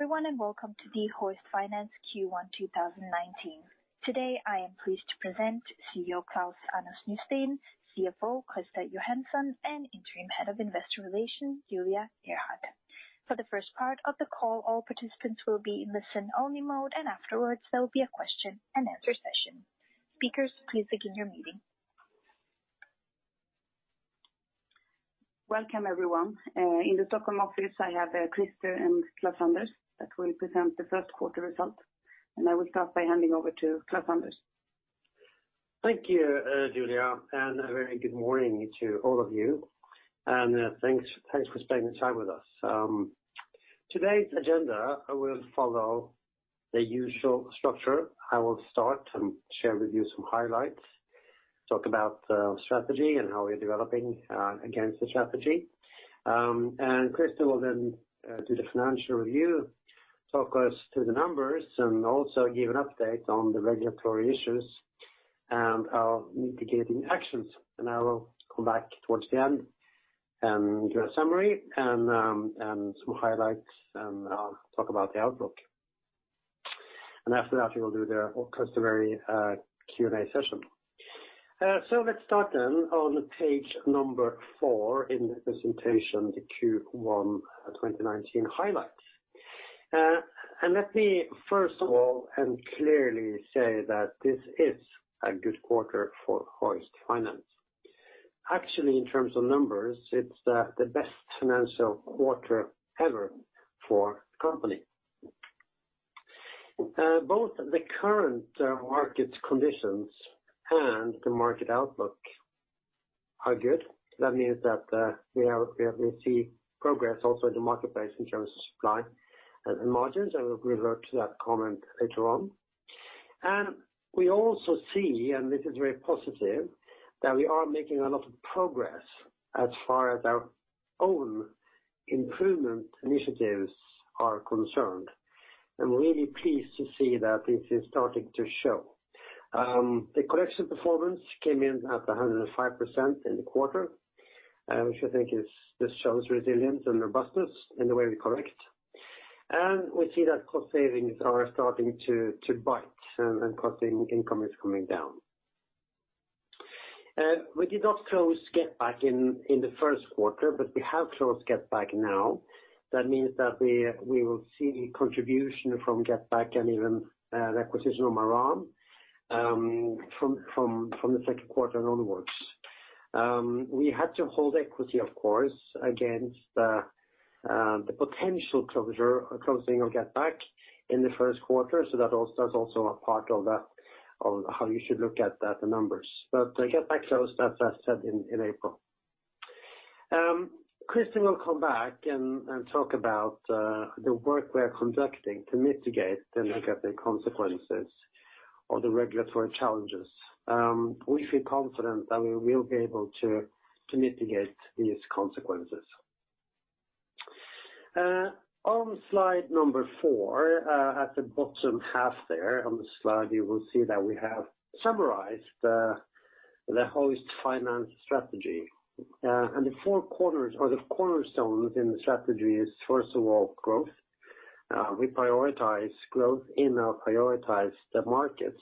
Hello everyone, welcome to the Hoist Finance Q1 2019. Today, I am pleased to present CEO Klaus-Anders Nysteen, CFO Christer Johansson, and Interim Head of Investor Relations, Julia Ehrhardt. For the first part of the call, all participants will be in listen-only mode, afterwards, there will be a question and answer session. Speakers, please begin your meeting. Welcome everyone. In the Stockholm office, I have Christer and Klas-Anders that will present the first quarter result, I will start by handing over to Klas-Anders. Thank you, Julia, a very good morning to all of you. Thanks for spending the time with us. Today's agenda will follow the usual structure. I will start and share with you some highlights, talk about strategy and how we're developing against the strategy. Christer will then do the financial review, talk us through the numbers and also give an update on the regulatory issues and how mitigating actions. I will come back towards the end and do a summary and some highlights, I'll talk about the outlook. After that, we will do the customary Q&A session. Let's start then on page number four in the presentation, the Q1 2019 highlights. Let me first of all, clearly say that this is a good quarter for Hoist Finance. Actually, in terms of numbers, it's the best financial quarter ever for the company. Both the current market conditions and the market outlook are good. That means that we have received progress also in the marketplace in terms of supply and margins, we will revert to that comment later on. We also see, this is very positive, that we are making a lot of progress as far as our own improvement initiatives are concerned. I'm really pleased to see that this is starting to show. The collection performance came in at 105% in the quarter, which I think this shows resilience and robustness in the way we collect. We see that cost savings are starting to bite and cost income is coming down. We did not close GetBack in the first quarter, but we have closed GetBack now. That means that we will see the contribution from GetBack and even the acquisition of Maran from the second quarter onwards. We had to hold equity, of course, against the potential closing of GetBack in the first quarter. That's also a part of how you should look at the numbers. GetBack closed, as I said, in April. Christer will come back and talk about the work we're conducting to mitigate the negative consequences or the regulatory challenges. We feel confident that we will be able to mitigate these consequences. On slide number four, at the bottom half there on the slide, you will see that we have summarized the Hoist Finance strategy. The four corners or the cornerstones in the strategy is, first of all, growth. We prioritize growth and now prioritize the markets,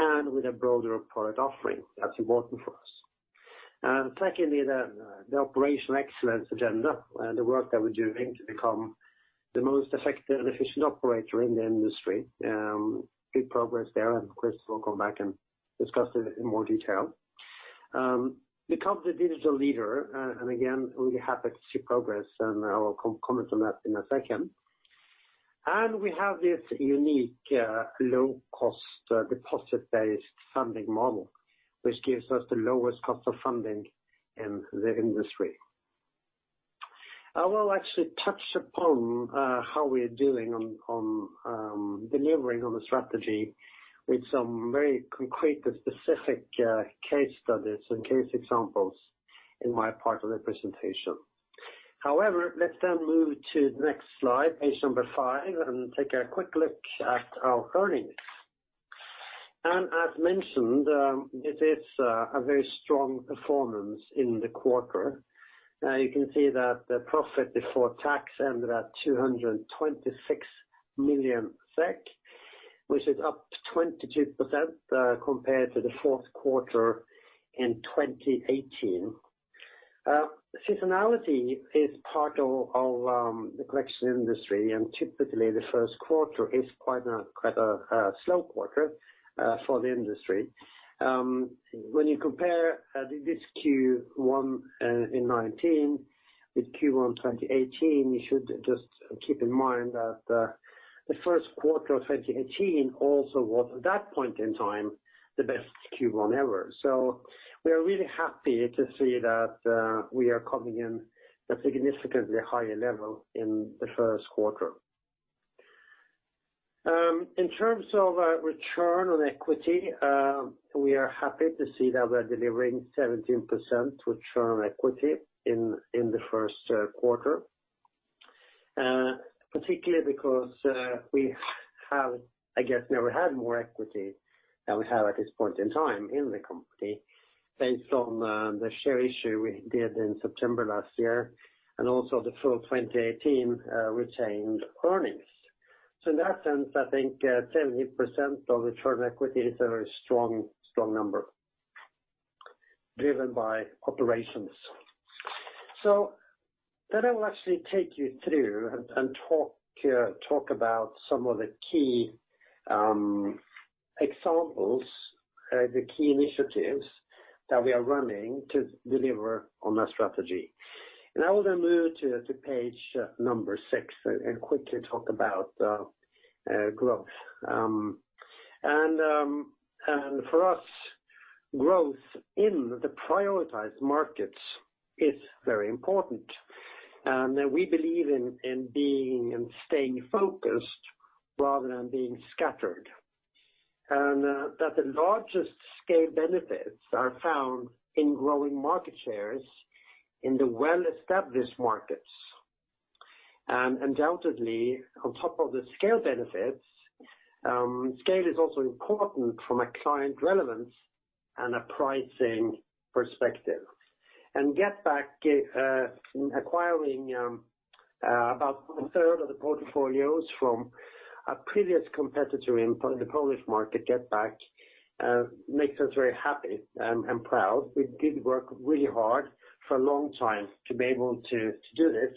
and with a broader product offering. That's important for us. Secondly, the operational excellence agenda and the work that we're doing to become the most effective and efficient operator in the industry. Good progress there, Christer will come back and discuss it in more detail. Become the digital leader, again, we are happy to see progress, I will comment on that in a second. We have this unique, low-cost, deposit-based funding model, which gives us the lowest cost of funding in the industry. I will actually touch upon how we are doing on delivering on the strategy with some very concrete and specific case studies and case examples in my part of the presentation. Let's move to the next slide, page number five, and take a quick look at our earnings. As mentioned, it is a very strong performance in the quarter. You can see that the profit before tax ended at 226 million SEK, which is up 22% compared to the fourth quarter in 2018. Seasonality is part of the collection industry, typically, the first quarter is quite a slow quarter for the industry. When you compare this Q1 in 2019 with Q1 2018, you should just keep in mind that the first quarter of 2018 also was, at that point in time, the best Q1 ever. We are really happy to see that we are coming in a significantly higher level in the first quarter. In terms of our return on equity, we are happy to see that we're delivering 17% return on equity in the first quarter. Particularly because we have, I guess, never had more equity than we have at this point in time in the company based on the share issue we did in September last year and also the full 2018 retained earnings. In that sense, I think 70% of return equity is a very strong number driven by operations. I will actually take you through and talk about some of the key examples, the key initiatives that we are running to deliver on our strategy. I will move to page number six and quickly talk about growth. For us, growth in the prioritized markets is very important. We believe in being and staying focused rather than being scattered, that the largest scale benefits are found in growing market shares in the well-established markets. Undoubtedly, on top of the scale benefits, scale is also important from a client relevance and a pricing perspective. GetBack acquiring about one-third of the portfolios from a previous competitor in the Polish market, GetBack, makes us very happy and proud. We did work really hard for a long time to be able to do this,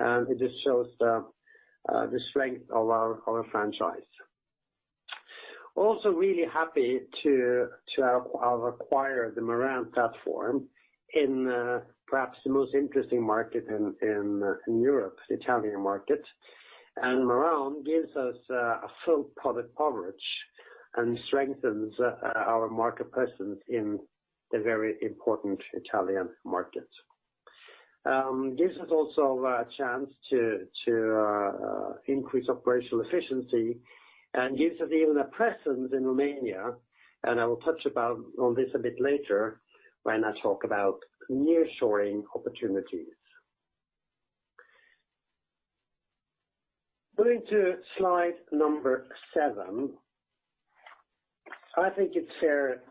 and it just shows the strength of our franchise. Also really happy to have acquired the Maran platform in perhaps the most interesting market in Europe, the Italian market. Maran gives us a full product coverage and strengthens our market presence in the very important Italian market. Gives us also a chance to increase operational efficiency and gives us even a presence in Romania. I will touch on this a bit later when I talk about nearshoring opportunities. Going to slide seven. I think it's fair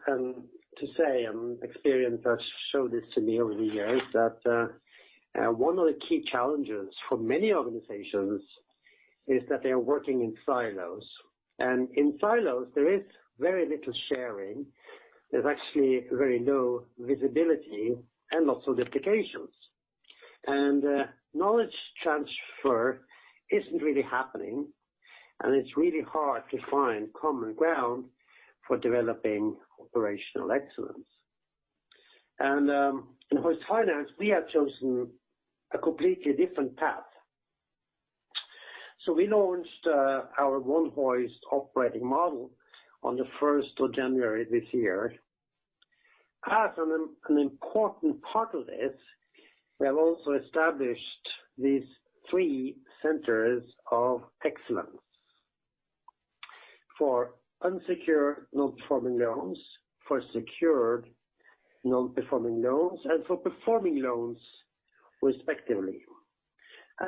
to say, and experience has showed this to me over the years, that one of the key challenges for many organizations is that they are working in silos. In silos, there is very little sharing. There's actually very low visibility and lots of duplications. Knowledge transfer isn't really happening, and it's really hard to find common ground for developing operational excellence. In Hoist Finance, we have chosen a completely different path. We launched our One Hoist operating model on the 1st of January this year. As an important part of this, we have also established these three centers of excellence for unsecured non-performing loans, for secured non-performing loans, and for performing loans, respectively.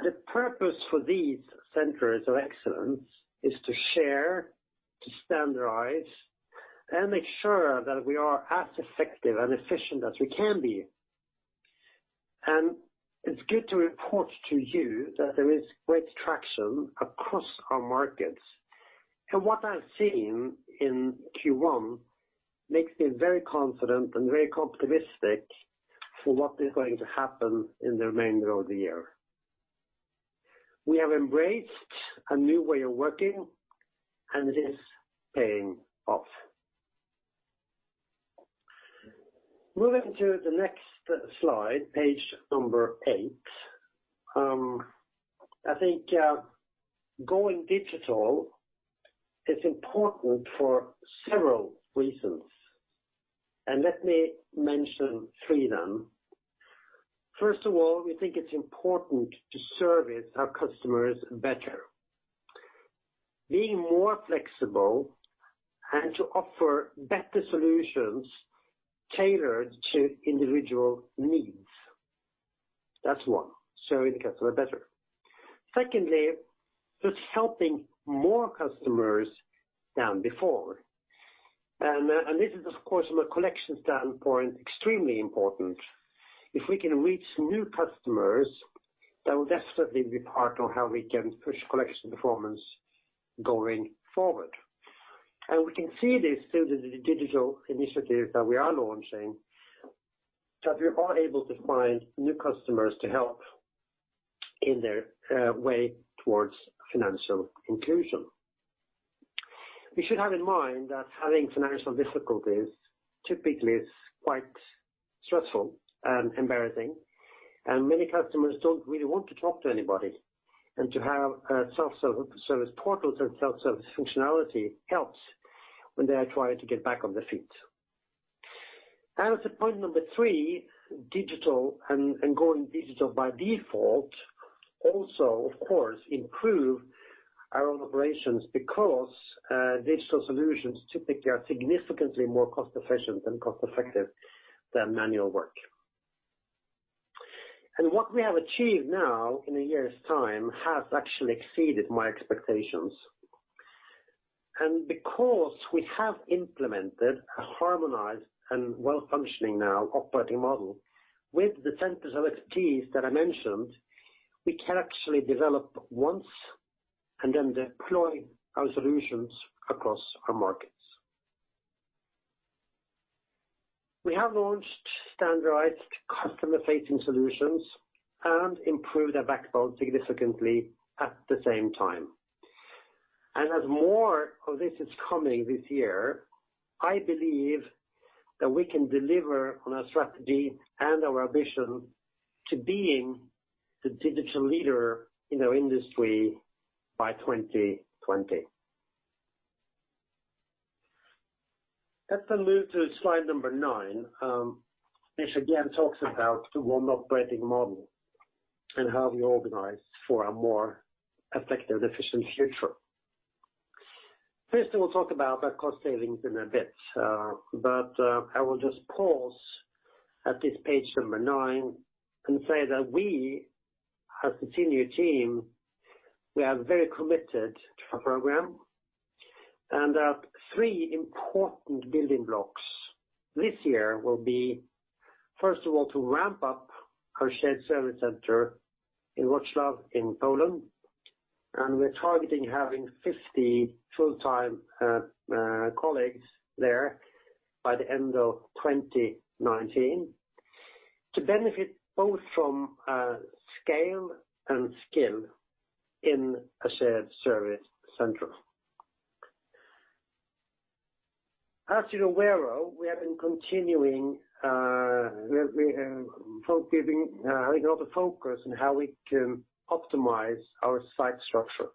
The purpose for these centers of excellence is to share, to standardize, and make sure that we are as effective and efficient as we can be. It's good to report to you that there is great traction across our markets. What I've seen in Q1 makes me very confident and very optimistic for what is going to happen in the remainder of the year. We have embraced a new way of working and it is paying off. Moving to the next slide, page eight. I think going digital is important for several reasons, and let me mention three then. First of all, we think it's important to service our customers better. Being more flexible and to offer better solutions tailored to individual needs. That's one, serving the customer better. Secondly, just helping more customers than before. This is, of course, from a collection standpoint, extremely important. If we can reach new customers, that will definitely be part of how we can push collection performance going forward. We can see this through the digital initiative that we are launching, that we are able to find new customers to help in their way towards financial inclusion. We should have in mind that having financial difficulties typically is quite stressful and embarrassing, and many customers don't really want to talk to anybody. To have self-service portals and self-service functionality helps when they are trying to get back on their feet. As a point number three, digital and going digital by default also, of course, improve our own operations because digital solutions typically are significantly more cost-efficient and cost-effective than manual work. What we have achieved now in a year's time has actually exceeded my expectations. Because we have implemented a harmonized and well-functioning now operating model with the centers of expertise that I mentioned, we can actually develop once and then deploy our solutions across our markets. We have launched standardized customer-facing solutions and improved our backbone significantly at the same time. As more of this is coming this year, I believe that we can deliver on our strategy and our ambition to being the digital leader in our industry by 2020. Move to slide number nine, which again talks about the one operating model and how we organize for a more effective and efficient future. We'll talk about our cost savings in a bit, I will just pause at this page 9 and say that we, as the senior team, are very committed to our program, our three important building blocks this year will be, first of all, to ramp up our shared service center in Wrocław in Poland. We're targeting having 50 full-time colleagues there by the end of 2019 to benefit both from scale and skill in a shared service center. As you're aware, we have been having a lot of focus on how we can optimize our site structure.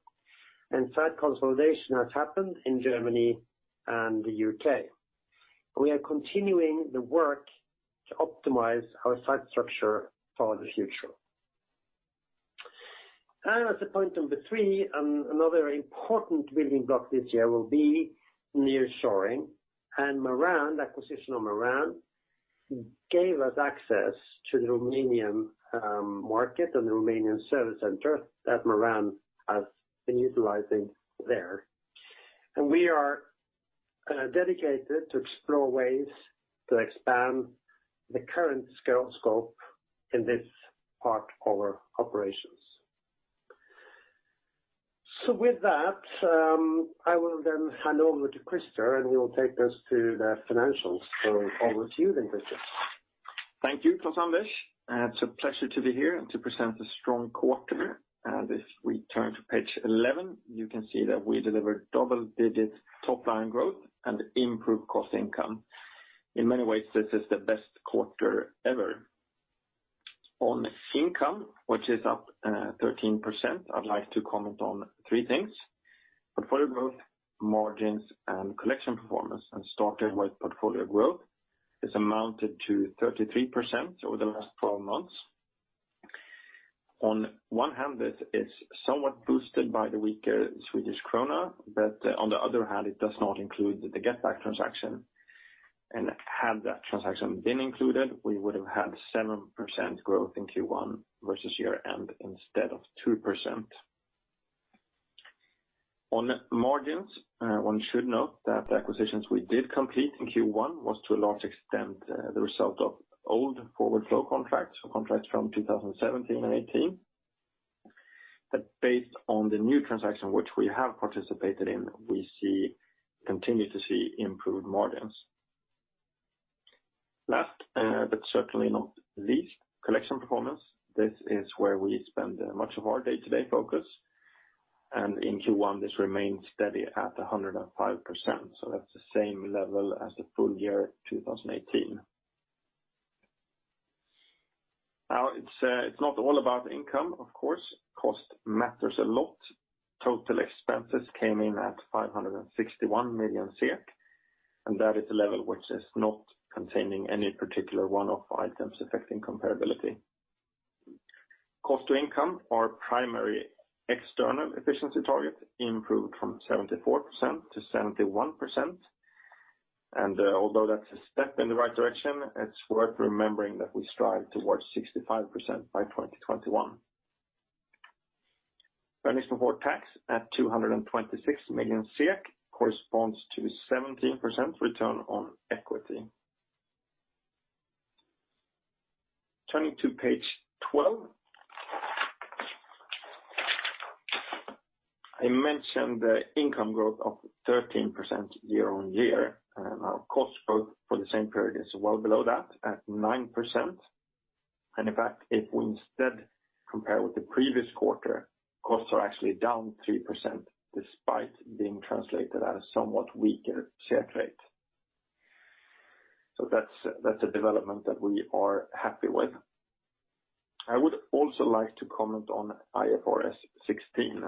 Site consolidation has happened in Germany and the U.K. We are continuing the work to optimize our site structure for the future. As a point number three, another important building block this year will be nearshoring and acquisition of Maran gave us access to the Romanian market and the Romanian service center that Maran has been utilizing there. We are dedicated to explore ways to expand the current scale scope in this part of our operations. With that, I will hand over to Christer, and he will take us to the financials. Over to you, Christer. Thank you, Klaus-Anders Nysteen. It's a pleasure to be here and to present a strong quarter. If we turn to page 11, you can see that we delivered double-digit top line growth and improved cost income. In many ways, this is the best quarter ever. On income, which is up 13%, I'd like to comment on three things: portfolio growth, margins, and collection performance. Starting with portfolio growth is amounted to 33% over the last 12 months. On one hand, it is somewhat boosted by the weaker Swedish krona, on the other hand, it does not include the GetBack transaction. Had that transaction been included, we would have had 7% growth in Q1 versus year end instead of 2%. On margins, one should note that the acquisitions we did complete in Q1 was to a large extent the result of old forward flow contracts or contracts from 2017 and 2018. Based on the new transaction which we have participated in, we continue to see improved margins. Last, certainly not least, collection performance. This is where we spend much of our day-to-day focus. In Q1, this remains steady at 105%. That's the same level as the full year 2018. It's not all about income, of course. Cost matters a lot. Total expenses came in at 561 million, and that is a level which is not containing any particular one-off items affecting comparability. Cost to income, our primary external efficiency target, improved from 74% to 71%. Although that's a step in the right direction, it's worth remembering that we strive towards 65% by 2021. Earnings before tax at 226 million SEK corresponds to 17% return on equity. Turning to page 12. I mentioned the income growth of 13% year-on-year. Cost growth for the same period is well below that at 9%. In fact, if we instead compare with the previous quarter, costs are actually down 3%, despite being translated at a somewhat weaker SEK rate. That's a development that we are happy with. I would also like to comment on IFRS 16,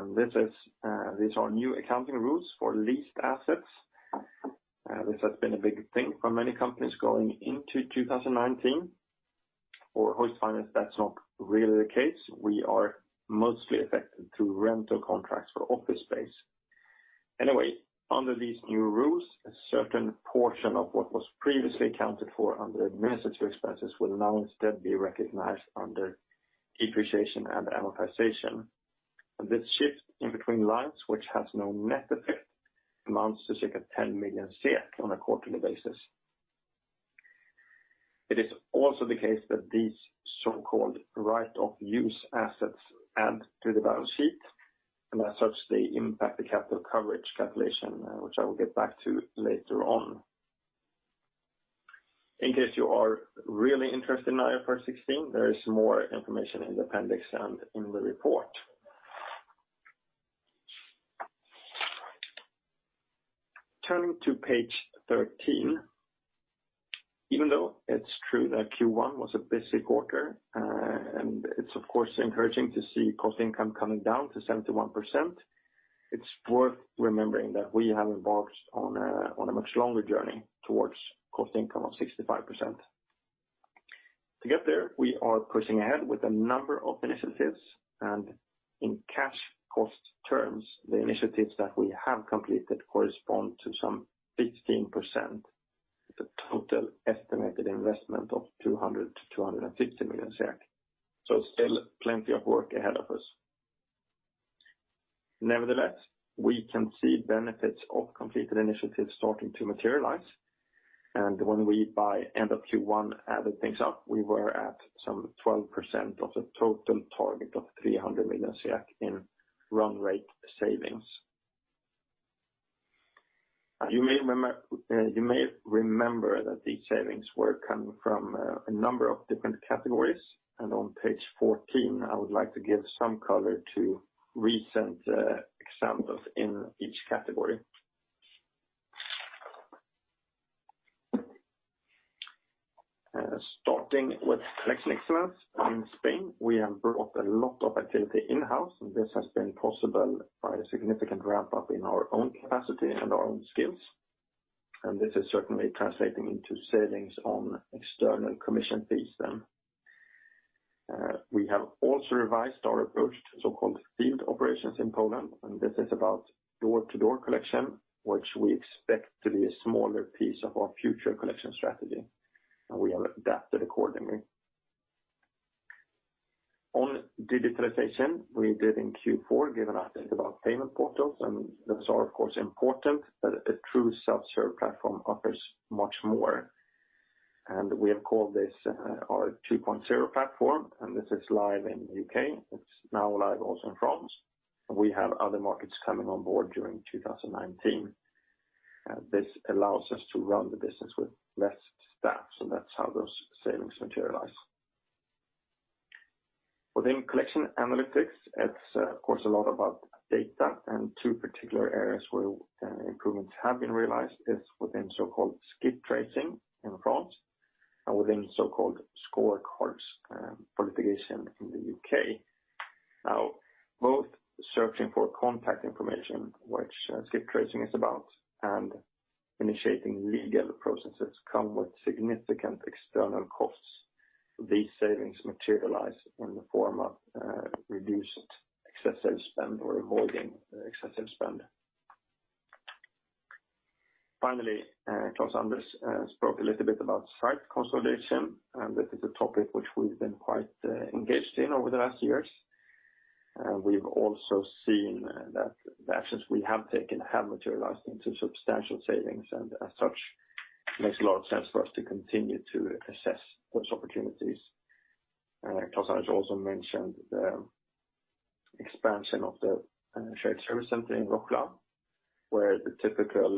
these are new accounting rules for leased assets. This has been a big thing for many companies going into 2019. For Hoist Finance, that's not really the case. We are mostly affected through rental contracts for office space. Under these new rules, a certain portion of what was previously accounted for under administrative expenses will now instead be recognized under depreciation and amortization. This shift in between lines, which has no net effect, amounts to 10 million on a quarterly basis. It is also the case that these so-called right-of-use assets add to the balance sheet, as such, they impact the capital coverage calculation, which I will get back to later on. In case you are really interested in IFRS 16, there is more information in the appendix and in the report. Turning to page 13. Even though it's true that Q1 was a busy quarter, it's of course encouraging to see cost income coming down to 71%, it's worth remembering that we have embarked on a much longer journey towards cost income of 65%. To get there, we are pushing ahead with a number of initiatives in cash cost terms, the initiatives that we have completed correspond to some 15%. The total estimated investment of 200 million-250 million. Still plenty of work ahead of us. Nevertheless, we can see benefits of completed initiatives starting to materialize. When we, by end of Q1, added things up, we were at some 12% of the total target of 300 million in run rate savings. You may remember that these savings were coming from a number of different categories. On page 14, I would like to give some color to recent examples in each category. Starting with Collection Excellence. In Spain, we have brought a lot of activity in-house, this has been possible by a significant ramp-up in our own capacity and our own skills. This is certainly translating into savings on external commission fees then. We have also revised our approach to so-called field collection in Poland, this is about door-to-door collection, which we expect to be a smaller piece of our future collection strategy. We have adapted accordingly. On digitalization, we did in Q4 give an update about payment portals, those are, of course, important, but a true self-serve platform offers much more. We have called this our 2.0 platform, this is live in the U.K. It's now live also in France. We have other markets coming on board during 2019. This allows us to run the business with less staff, that's how those savings materialize. Within Collection Analytics, it's of course a lot about data and two particular areas where improvements have been realized is within so-called skip tracing in France and within so-called scorecards prioritization in the U.K. Both searching for contact information, which skip tracing is about, and initiating legal processes come with significant external costs. These savings materialize in the form of reduced excessive spend or avoiding excessive spend. Finally, Klaus-Anders spoke a little bit about site consolidation, and this is a topic which we've been quite engaged in over the last years. We've also seen that the actions we have taken have materialized into substantial savings and as such, makes a lot of sense for us to continue to assess those opportunities. Klaus-Anders also mentioned the expansion of the shared service center in Wroclaw, where the typical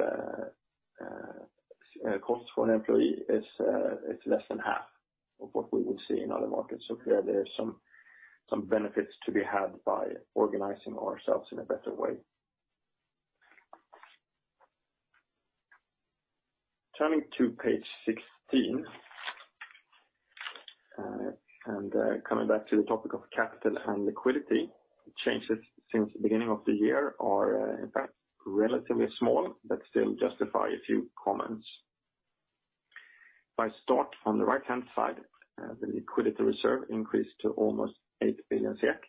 cost for an employee is less than half of what we would see in other markets. Clear there are some benefits to be had by organizing ourselves in a better way. Turning to page 16. Coming back to the topic of capital and liquidity, changes since the beginning of the year are in fact relatively small, but still justify a few comments. If I start on the right-hand side, the liquidity reserve increased to almost 8 billion SEK,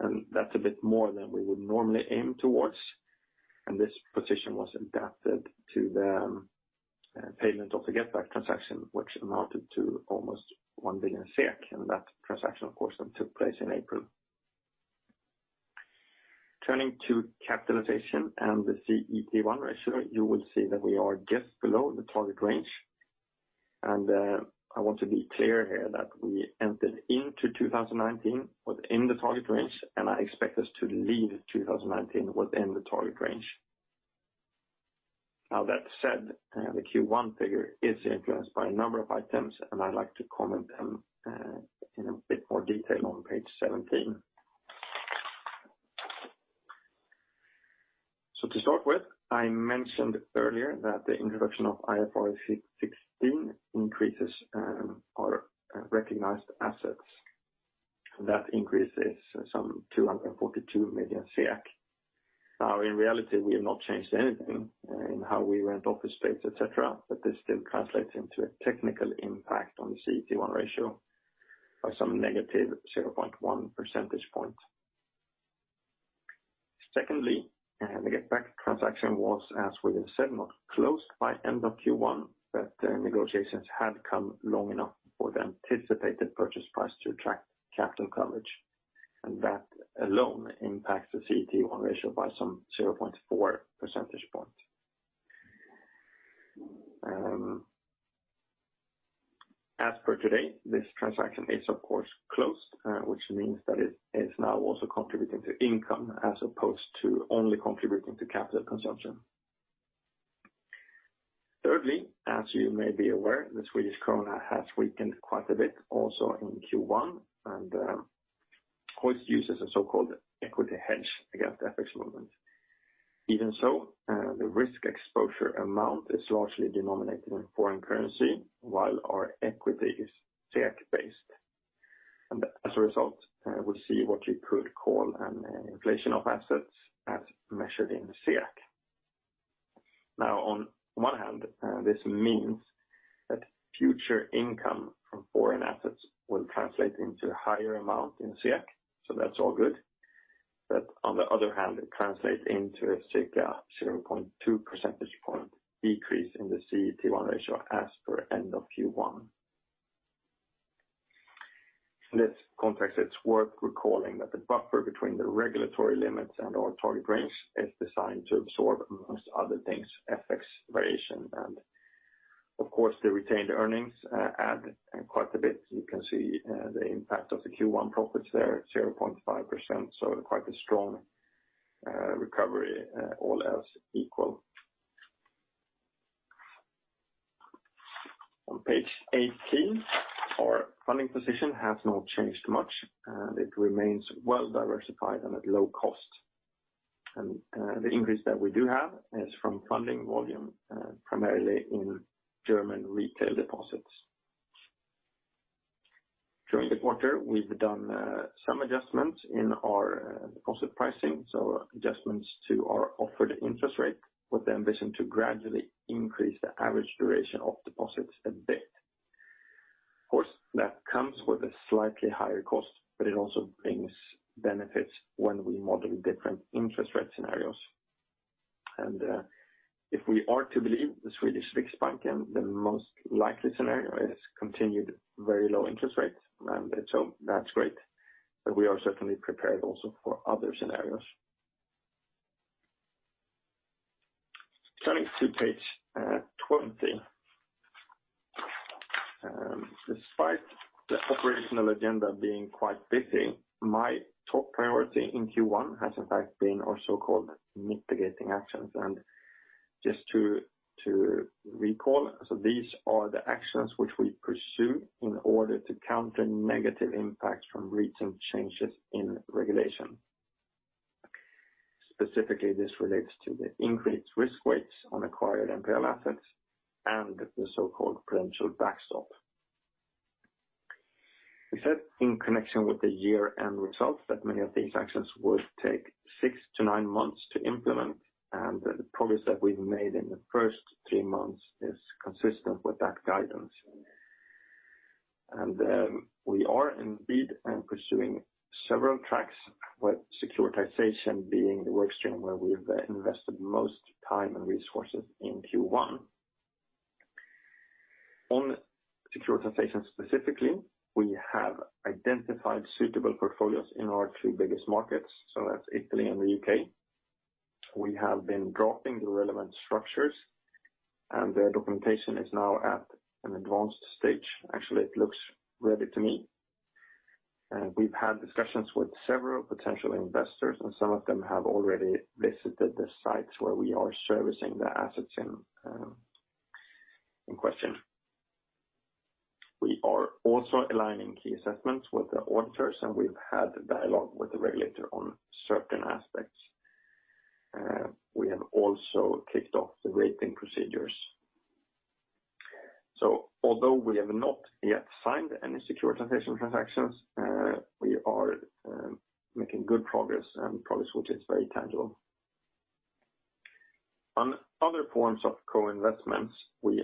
and that's a bit more than we would normally aim towards. This position was adapted to the payment of the GetBack transaction, which amounted to almost 1 billion SEK. That transaction, of course, then took place in April. Turning to capitalization and the CET1 ratio, you will see that we are just below the target range. I want to be clear here that we entered into 2019 within the target range, and I expect us to leave 2019 within the target range. That said, the Q1 figure is influenced by a number of items, and I'd like to comment them in a bit more detail on page 17. To start with, I mentioned earlier that the introduction of IFRS 16 increases our recognized assets. That increase is some 242 million SEK. In reality, we have not changed any-In how we rent office space, et cetera. But this still translates into a technical impact on the CET1 ratio by some negative 0.1 percentage point. Secondly, the GetBack transaction was, as William said, not closed by end of Q1, but negotiations had come long enough for the anticipated purchase price to attract capital coverage, and that alone impacts the CET1 ratio by some 0.4 percentage points. As per today, this transaction is, of course, closed, which means that it is now also contributing to income as opposed to only contributing to capital consumption. Thirdly, as you may be aware, the Swedish krona has weakened quite a bit also in Q1, and Hoist uses a so-called equity hedge against the FX movement. Even so, the risk exposure amount is largely denominated in foreign currency, while our equity is SEK-based. As a result, we see what you could call an inflation of assets as measured in SEK. On one hand, this means that future income from foreign assets will translate into a higher amount in SEK, so that's all good. On the other hand, it translates into a circa 0.2 percentage point decrease in the CET1 ratio as per end of Q1. In this context, it is worth recalling that the buffer between the regulatory limits and our target range is designed to absorb most other things, FX variation and, of course, the retained earnings add quite a bit. You can see the impact of the Q1 profits there, 0.5%, so quite a strong recovery all else equal. On page 18, our funding position has not changed much. It remains well-diversified and at low cost. The increase that we do have is from funding volume, primarily in German retail deposits. During the quarter, we have done some adjustments in our deposit pricing, so adjustments to our offered interest rate with the ambition to gradually increase the average duration of deposits a bit. That comes with a slightly higher cost, but it also brings benefits when we model different interest rate scenarios. If we are to believe the Sveriges Riksbank, the most likely scenario is continued very low interest rates. That is great, but we are certainly prepared also for other scenarios. Turning to page 20. Despite the operational agenda being quite busy, my top priority in Q1 has in fact been our so-called mitigating actions. Just to recall, these are the actions which we pursue in order to counter negative impacts from recent changes in regulation. Specifically, this relates to the increased risk weights on acquired NPL assets and the so-called prudential backstop. We said in connection with the year-end results that many of these actions would take six to nine months to implement, and the progress that we have made in the first three months is consistent with that guidance. We are indeed pursuing several tracks with securitization being the work stream where we have invested most time and resources in Q1. On securitization specifically, we have identified suitable portfolios in our two biggest markets, so that is Italy and the U.K. We have been drafting the relevant structures, and the documentation is now at an advanced stage. Actually, it looks ready to me. We have had discussions with several potential investors, and some of them have already visited the sites where we are servicing the assets in question. We are also aligning key assessments with the auditors, and we have had dialogue with the regulator on certain aspects. We have also kicked off the rating procedures. Although we have not yet signed any securitization transactions, we are making good progress and progress which is very tangible. On other forms of co-investments, which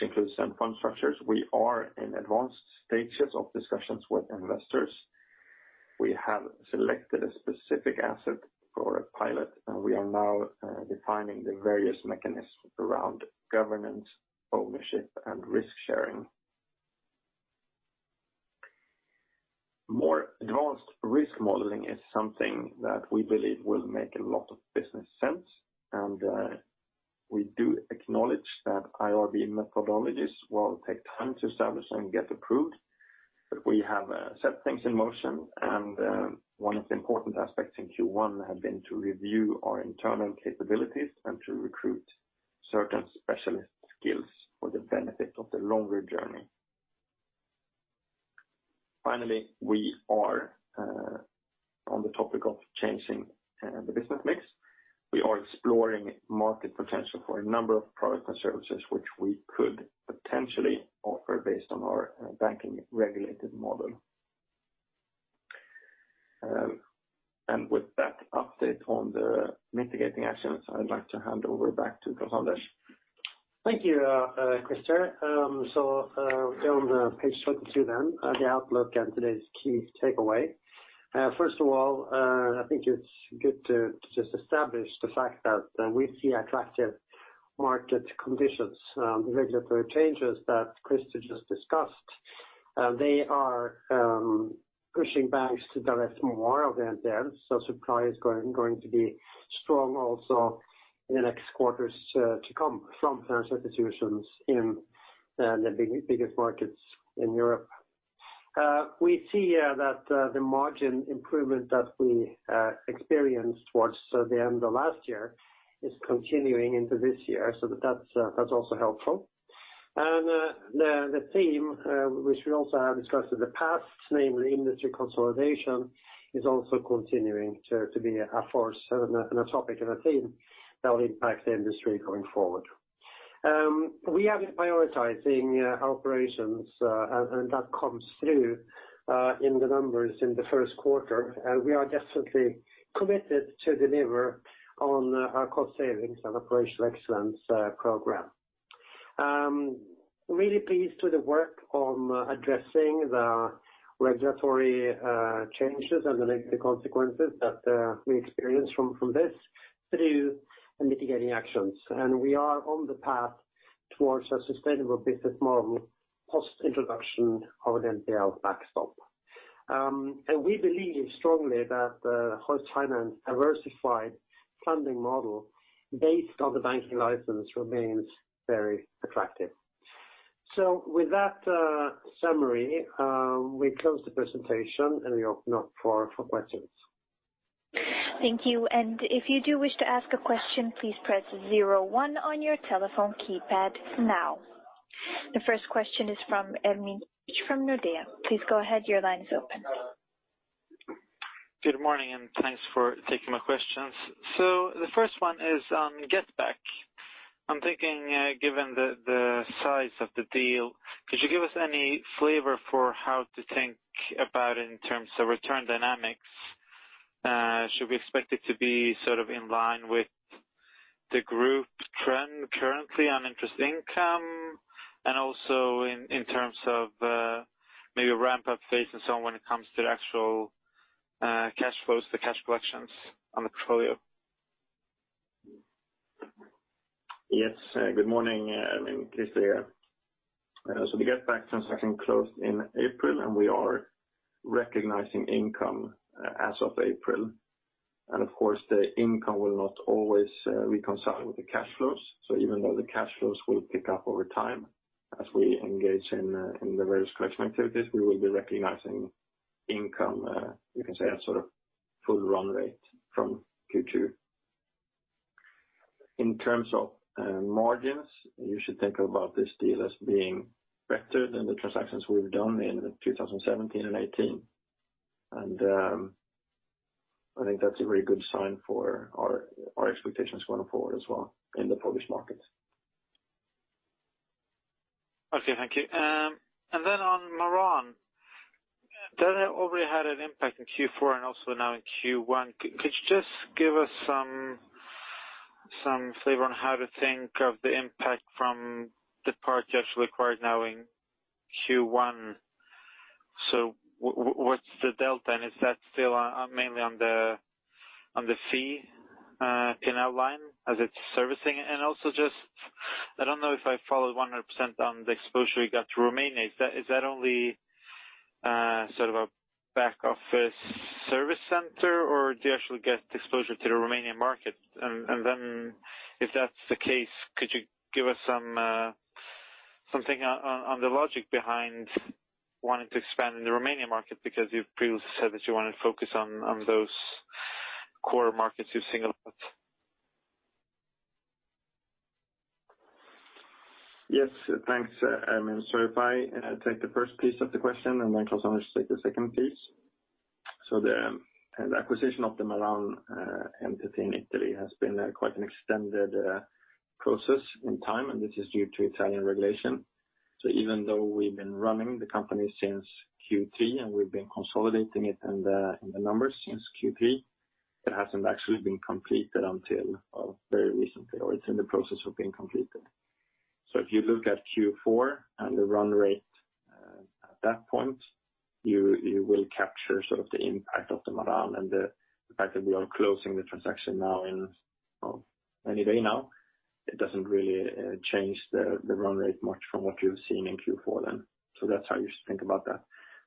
includes fund structures, we are in advanced stages of discussions with investors. We have selected a specific asset for a pilot, and we are now defining the various mechanisms around governance, ownership, and risk-sharing. More advanced risk modeling is something that we believe will make a lot of business sense, and we do acknowledge that IRB methodologies will take time to establish and get approved. We have set things in motion, and one of the important aspects in Q1 had been to review our internal capabilities and to recruit certain specialist skills for the benefit of the longer journey. Finally, we are on the topic of changing the business mix. We are exploring market potential for a number of products and services which we could potentially offer based on our banking regulated model. With that update on the mitigating actions, I'd like to hand over back to Klaus-Anders Nysteen. Thank you, Christer. We go on page 22 then, the outlook and today's key takeaway. First of all, I think it's good to just establish the fact that we see attractive market conditions. The regulatory changes that Christer just discussed, they are pushing banks to direct more of their debt. Supply is going to be strong also in the next quarters to come from financial institutions in the biggest markets in Europe. We see here that the margin improvement that we experienced towards the end of last year is continuing into this year, so that's also helpful. The theme, which we also have discussed in the past, namely industry consolidation, is also continuing to be a force and a topic and a theme that will impact the industry going forward. We have been prioritizing operations, and that comes through in the numbers in the first quarter. We are definitely committed to deliver on our cost savings and operational excellence program. Really pleased with the work on addressing the regulatory changes and the consequences that we experience from this through mitigating actions. We are on the path towards a sustainable business model post introduction of the NPL backstop. We believe strongly that the Hoist Finance diversified funding model based on the banking license remains very attractive. With that summary, we close the presentation and we open up for questions. Thank you. If you do wish to ask a question, please press zero one on your telephone keypad now. The first question is from Emilie from Nordea. Please go ahead. Your line is open. Good morning, thanks for taking my questions. The first one is, GetBack. I'm thinking given the size of the deal, could you give us any flavor for how to think about in terms of return dynamics? Should we expect it to be sort of in line with the group trend currently on interest income and also in terms of maybe a ramp-up phase and so on when it comes to the actual cash flows, the cash collections on the portfolio? Good morning, Emilie. Christer here. The GetBack transaction closed in April, we are recognizing income as of April. Of course, the income will not always reconcile with the cash flows. Even though the cash flows will pick up over time as we engage in the various collection activities, we will be recognizing income, you can say, at sort of full run rate from Q2. In terms of margins, you should think about this deal as being better than the transactions we've done in 2017 and 2018. I think that's a very good sign for our expectations going forward as well in the Polish market. Okay, thank you. On Maran. They already had an impact in Q4 and also now in Q1. Could you just give us some flavor on how to think of the impact from the part you actually acquired now in Q1? What's the delta, is that still mainly on the field collection as it's servicing? I don't know if I followed 100% on the exposure you got to Romania. Is that only sort of a back-office service center, or do you actually get exposure to the Romanian market? If that's the case, could you give us something on the logic behind wanting to expand in the Romanian market? You've previously said that you want to focus on those core markets you've seen a lot. Thanks, Emilie. If I take the first piece of the question Klas-Anders take the second piece. The acquisition of the Maran entity in Italy has been quite an extended process in time, this is due to Italian regulation. Even though we've been running the company since Q3, we've been consolidating it in the numbers since Q3, it hasn't actually been completed until very recently, or it's in the process of being completed. If you look at Q4 and the run rate at that point, you will capture sort of the impact of the Maran the fact that we are closing the transaction now in any day now, it doesn't really change the run rate much from what you've seen in Q4 then. That's how you should think about that.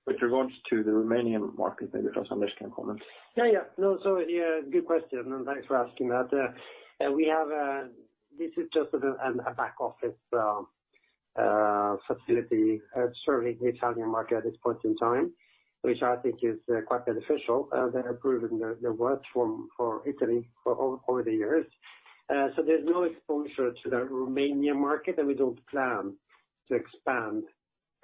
With regards to the Romanian market, maybe Klaus-Anders Nysteen can comment. Good question, and thanks for asking that. This is just a back-office facility serving the Italian market at this point in time, which I think is quite beneficial. They have proven their worth for Italy for over the years. There's no exposure to the Romanian market, and we don't plan to expand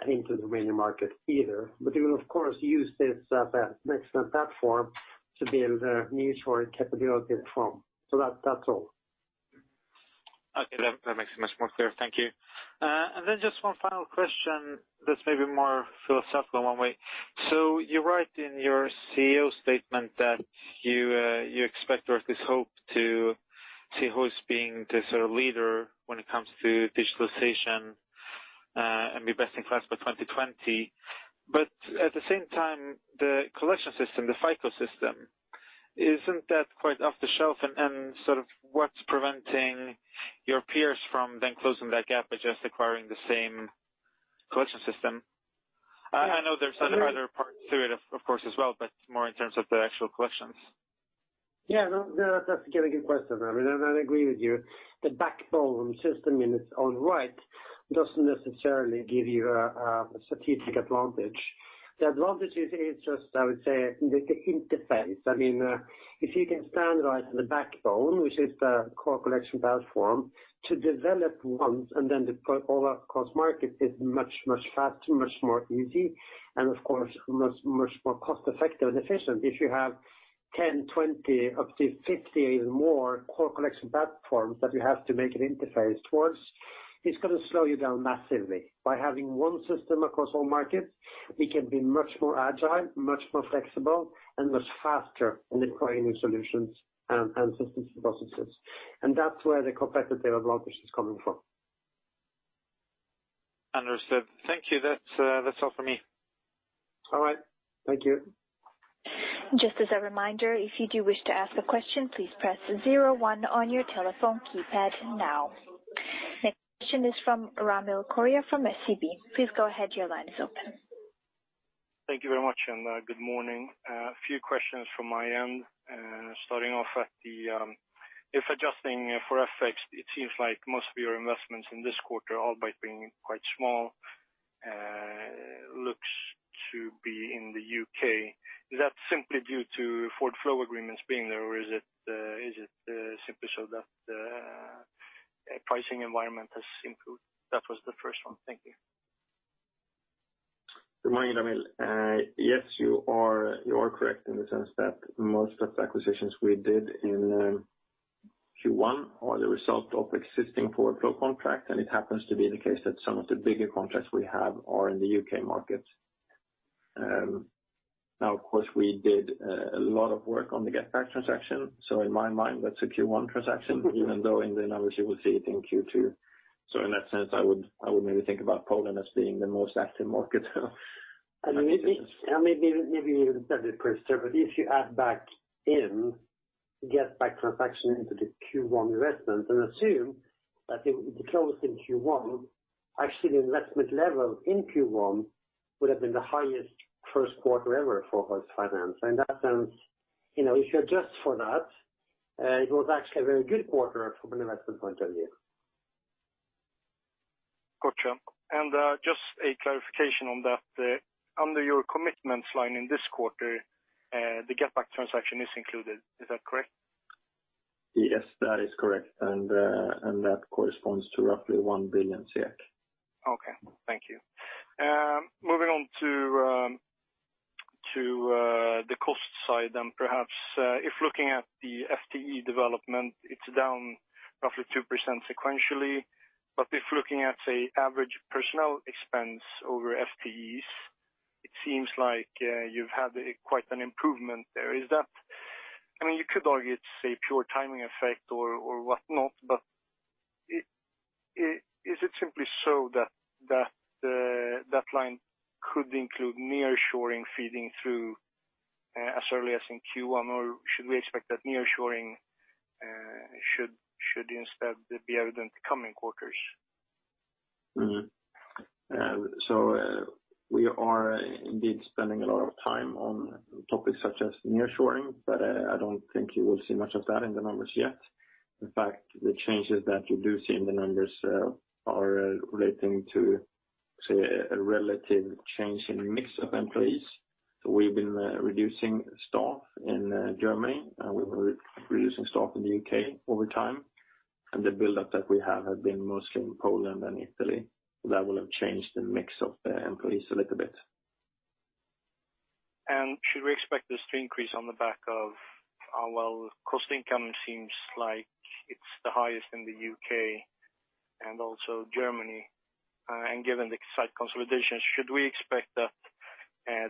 into the Romanian market either. We will of course use this as an excellent platform to build mutually capabilities from. That's all. That makes it much more clear. Thank you. Just one final question that's maybe more philosophical in one way. You write in your CEO statement that you expect, or at least hope to see Hoist being the leader when it comes to digitalization, and be best in class by 2020. At the same time, the collection system, the FICO system, isn't that quite off the shelf and what's preventing your peers from then closing that gap by just acquiring the same collection system? I know there's other parts to it, of course, as well, but more in terms of the actual collections. That's again, a good question. I mean, I agree with you. The backbone system in its own right doesn't necessarily give you a strategic advantage. The advantage is just, I would say, the interface. I mean, if you can standardize the backbone, which is the core collection platform, to develop once and then deploy all across market is much faster, much more easy, and of course, much more cost effective and efficient. If you have 10, 20, up to 50 or more core collection platforms that you have to make an interface towards, it's going to slow you down massively. By having one system across all markets, we can be much more agile, much more flexible, and much faster in acquiring new solutions and systems and processes. That's where the competitive advantage is coming from. Understood. Thank you. That's all for me. All right. Thank you. Just as a reminder, if you do wish to ask a question, please press zero one on your telephone keypad now. Next question is from Ramil Koria from SEB. Please go ahead. Your line is open. Thank you very much. Good morning. A few questions from my end. If adjusting for FX, it seems like most of your investments in this quarter, albeit being quite small, looks to be in the U.K. Is that simply due to forward flow agreements being there, or is it simply so that pricing environment has improved? That was the first one. Thank you. Good morning, Ramil. Yes, you are correct in the sense that most of the acquisitions we did in Q1 are the result of existing forward flow contract, and it happens to be the case that some of the bigger contracts we have are in the U.K. market. Of course, we did a lot of work on the GetBack transaction. In my mind, that's a Q1 transaction, even though in the numbers, you will see it in Q2. In that sense, I would maybe think about Poland as being the most active market. Maybe you said it, Christer, but if you add back in GetBack transaction into the Q1 investment and assume that it closed in Q1, actually the investment level in Q1 would have been the highest first quarter ever for Hoist Finance. In that sense, if you adjust for that, it was actually a very good quarter from an investment point of view. Got you. Just a clarification on that. Under your commitments line in this quarter, the GetBack transaction is included. Is that correct? Yes, that is correct. That corresponds to roughly 1 billion SEK. Okay. Thank you. Moving on to the cost side, perhaps, if looking at the FTE development, it's down roughly 2% sequentially. If looking at, say, average personnel expense over FTEs, it seems like you've had quite an improvement there. I mean, you could argue it's a pure timing effect or whatnot, but is it simply so that line could include nearshoring feeding through as early as in Q1, or should we expect that nearshoring should instead be evident coming quarters? We are indeed spending a lot of time on topics such as nearshoring, but I don't think you will see much of that in the numbers yet. In fact, the changes that you do see in the numbers are relating to, say, a relative change in mix of employees. We've been reducing staff in Germany, and we've been reducing staff in the U.K. over time. The buildup that we have had been mostly in Poland and Italy. That will have changed the mix of the employees a little bit. Should we expect this to increase on the back of Well, cost income seems like it's the highest in the U.K. and also Germany. Given the site consolidations, should we expect that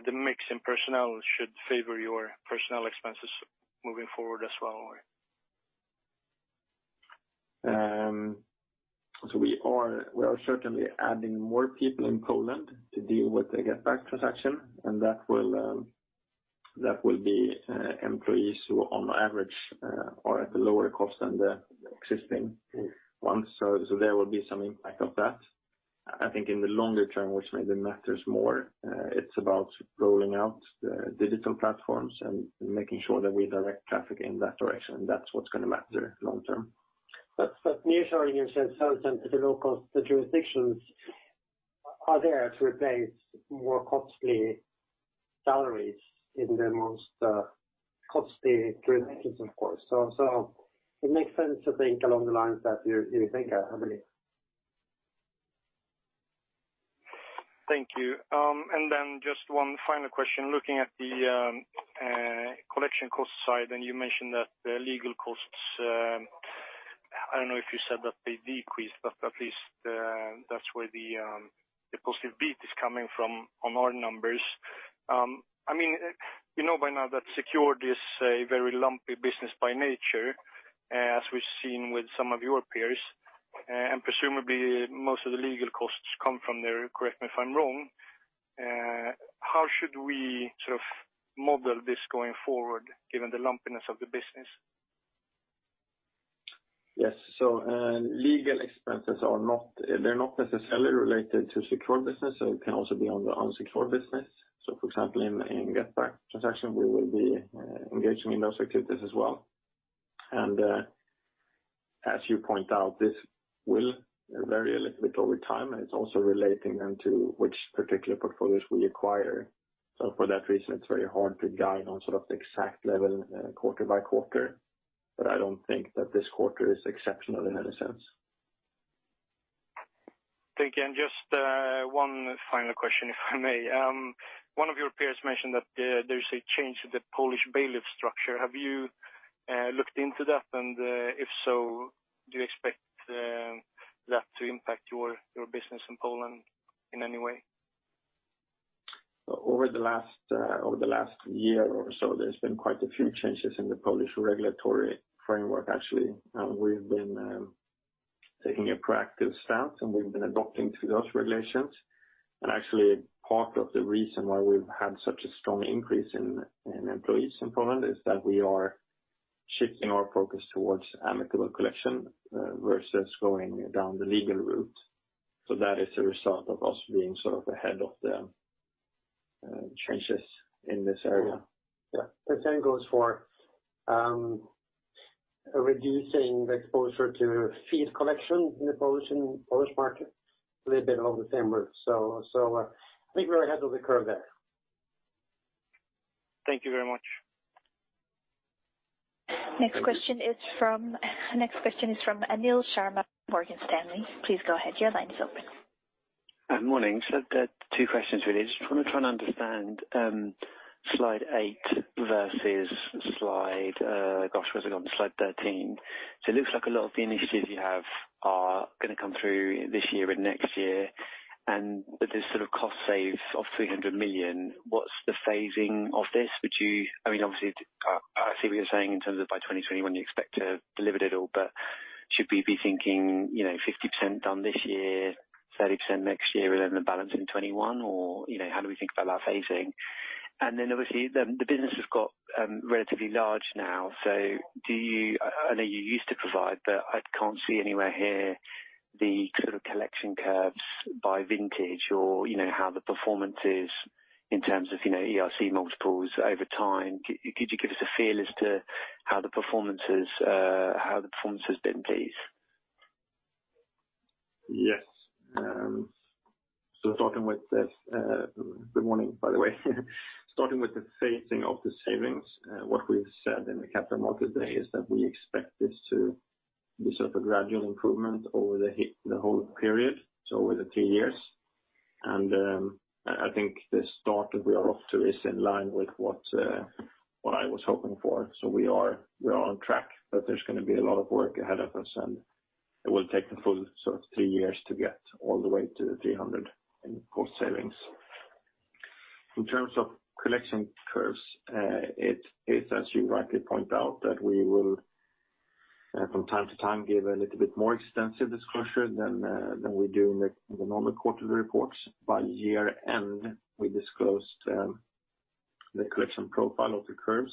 the mix in personnel should favor your personnel expenses moving forward as well? We are certainly adding more people in Poland to deal with the GetBack transaction, and that will be employees who, on average, are at a lower cost than the existing ones. There will be some impact of that. I think in the longer term, which maybe matters more, it's about rolling out the digital platforms and making sure that we direct traffic in that direction. That's what's going to matter long term. Nearshoring, in a sense, helps them to the local jurisdictions are there to replace more costly salaries in the most costly jurisdictions, of course. It makes sense to think along the lines that you think of, I believe. Thank you. Then just one final question, looking at the collection cost side, you mentioned that the legal costs, I don't know if you said that they decreased, but at least that's where the positive beat is coming from on our numbers. We know by now that secured is a very lumpy business by nature, as we've seen with some of your peers, presumably most of the legal costs come from there, correct me if I'm wrong. How should we model this going forward given the lumpiness of the business? Yes. Legal expenses are not necessarily related to secured business. It can also be on the unsecured business. For example, in GetBack transaction, we will be engaging in those activities as well. As you point out, this will vary a little bit over time, it's also relating then to which particular portfolios we acquire. For that reason, it's very hard to guide on the exact level quarter by quarter. I don't think that this quarter is exceptional in any sense. Thank you. Just one final question, if I may. One of your peers mentioned that there is a change to the Polish bailiff structure. Have you looked into that? If so, do you expect that to impact your business in Poland in any way? Over the last year or so, there's been quite a few changes in the Polish regulatory framework, actually. We've been taking a proactive stance. We've been adopting to those regulations. Actually, part of the reason why we've had such a strong increase in employees in Poland is that we are shifting our focus towards amicable collection versus going down the legal route. That is a result of us being ahead of the changes in this area. Yeah. The same goes for reducing the exposure to field collection in the Polish market a little bit along the same route. I think we're ahead of the curve there. Thank you very much. Next question is from Anil Sharma, Morgan Stanley. Please go ahead. Your line is open. Good morning. Two questions, really. Just want to try and understand slide 8 versus slide, gosh, where has it gone? Slide 13. It looks like a lot of the initiatives you have are going to come through this year and next year, and that this sort of cost save of 300 million. What's the phasing of this? I see what you're saying in terms of by 2021, you expect to have delivered it all, but should we be thinking 50% done this year, 30% next year, and then the balance in 2021, or how do we think about that phasing? Obviously the business has got relatively large now. I know you used to provide, but I can't see anywhere here the collection curves by vintage or how the performance is in terms of ERC multiples over time. Could you give us a feel as to how the performance has been, please? Yes. Good morning, by the way. Starting with the phasing of the savings, what we've said in the capital markets day is that we expect this to be a gradual improvement over the whole period, over the three years. I think the start we are off to is in line with what I was hoping for. We are on track, but there's going to be a lot of work ahead of us, and it will take the full three years to get all the way to the 300 in cost savings. In terms of collection curves, it is, as you rightly point out, that we will, from time to time, give a little bit more extensive disclosure than we do in the normal quarterly reports. By year-end, we disclosed the collection profile of the curves,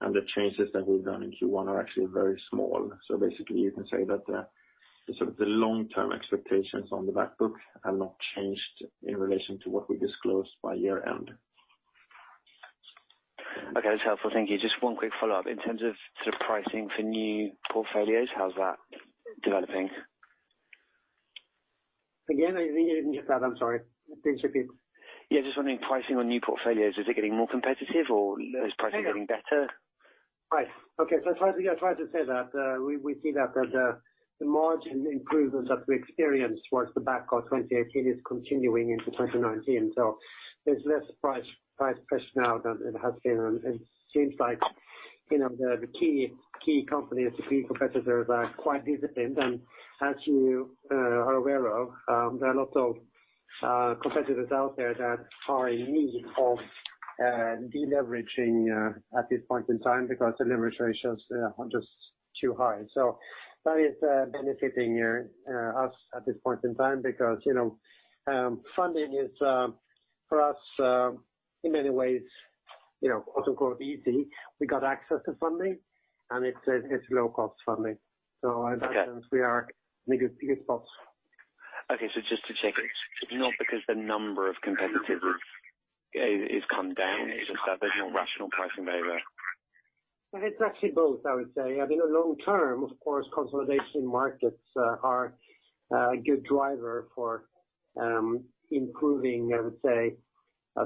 and the changes that we've done in Q1 are actually very small. Basically, you can say that the long-term expectations on the back book are not changed in relation to what we disclosed by year-end. Okay. That's helpful. Thank you. Just one quick follow-up. In terms of pricing for new portfolios, how's that developing? Again, I think I didn't get that. I'm sorry. Please repeat. Yeah, just wondering, pricing on new portfolios, is it getting more competitive or is pricing getting better? Right. Okay. I tried to say that we see that the margin improvements that we experienced towards the back of 2018 is continuing into 2019. There's less price pressure now than it has been, and it seems like the key companies, the key competitors are quite disciplined. As you are aware of, there are lots of competitors out there that are in need of deleveraging at this point in time because the leverage ratios are just too high. That is benefiting us at this point in time because funding is for us in many ways "easy." We got access to funding, and it's low-cost funding. In that sense we are in a good spot. Okay. Just to check, it's not because the number of competitors has come down, it's just that there's more rational pricing behavior. It's actually both, I would say. In the long term, of course, consolidation markets are a good driver for improving, I would say,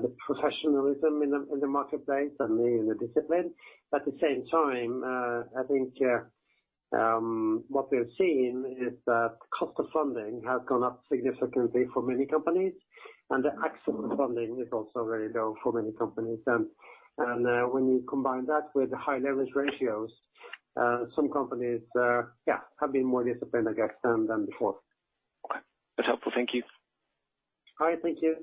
the professionalism in the marketplace and the discipline. At the same time, I think what we're seeing is that cost of funding has gone up significantly for many companies, and the access to funding is also very low for many companies. When you combine that with high leverage ratios, some companies have been more disciplined, I guess, than before. Okay. That's helpful. Thank you. All right. Thank you.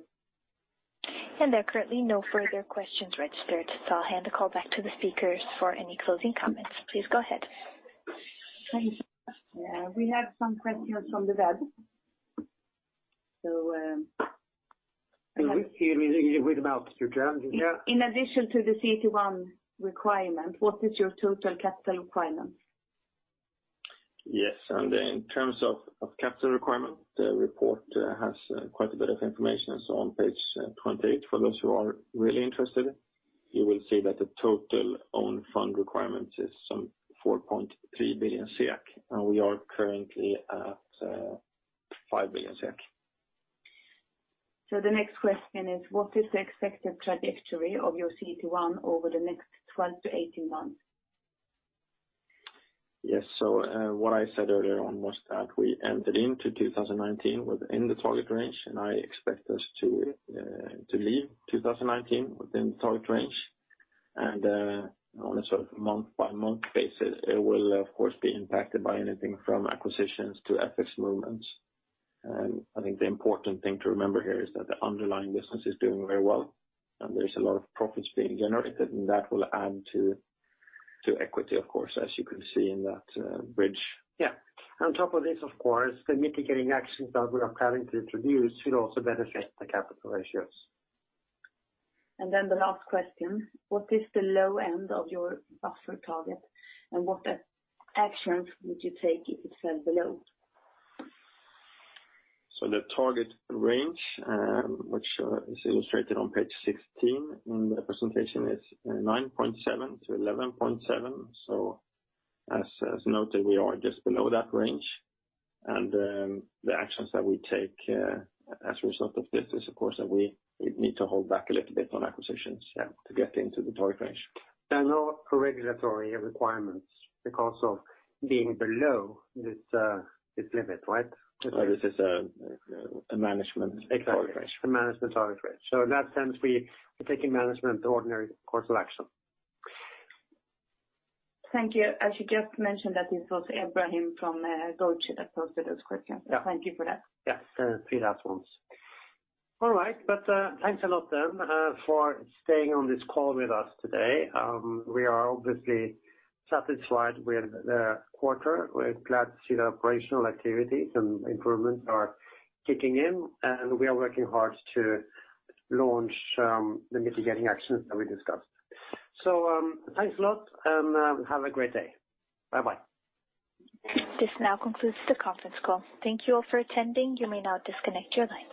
There are currently no further questions registered. I'll hand the call back to the speakers for any closing comments. Please go ahead. Thank you. We have some questions from the web. Here with them out, [Susanne], yeah. In addition to the CET1 requirement, what is your total capital requirement? In terms of capital requirement, the report has quite a bit of information. On page 28, for those who are really interested, you will see that the total own fund requirement is some 4.3 billion, and we are currently at 5 billion. The next question is, what is the expected trajectory of your CET1 over the next 12 to 18 months? Yes. What I said earlier on was that we entered into 2019 within the target range, and I expect us to leave 2019 within the target range. On a month-by-month basis, it will, of course, be impacted by anything from acquisitions to FX movements. I think the important thing to remember here is that the underlying business is doing very well, and there is a lot of profits being generated, and that will add to equity, of course, as you can see in that bridge. Yeah. On top of this, of course, the mitigating actions that we are planning to introduce should also benefit the capital ratios. The last question. What is the low end of your buffer target, and what actions would you take if it fell below? The target range, which is illustrated on page 16 in the presentation, is 9.7 to 11.7. As noted, we are just below that range. The actions that we take as a result of this is, of course, that we need to hold back a little bit on acquisitions to get into the target range. There are no regulatory requirements because of being below this limit, right? This is a management target range. Exactly. It's a management target range. In that sense, we are taking management ordinary course of action. Thank you. As you just mentioned that this was Ibrahim from [Goldman] that posted those questions. Yeah. Thank you for that. Yeah. The three last ones. All right. Thanks a lot then for staying on this call with us today. We are obviously satisfied with the quarter. We're glad to see the operational activities and improvements are kicking in, and we are working hard to launch the mitigating actions that we discussed. Thanks a lot, and have a great day. Bye-bye. This now concludes the conference call. Thank you all for attending. You may now disconnect your lines.